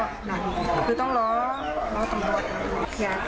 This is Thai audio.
แล้วก็ต้องล้อตำรวจตำยุด